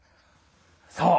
そう！